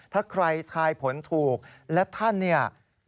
ถ้าใครทายผลถูกและท่านเนี่ย